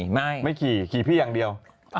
ไม่ขี่ขี่พี่อย่างเดียว